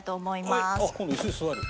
今度椅子に座る？